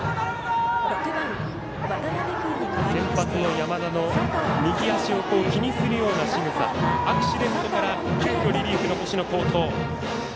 先発の山田の右足を気にするようなしぐさ、アクシデントから急きょリリーフの星野、好投。